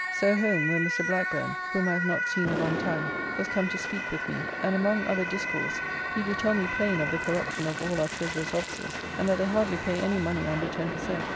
So home, where Mr. Blackburne (whom I have not seen a long time) was come to speak with me, and among other discourse he do tell me plain of the corruption of all our Treasurer's officers, and that they hardly pay any money under ten per cent.